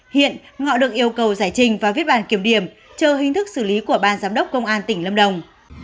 hiện ngọ được yêu cầu giải trình và viết bàn kiểm điểm chờ hình thức xử lý của ban giám đốc công an tỉnh lâm đồng